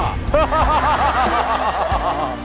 ฮ่าฮ่าฮ่าฮ่า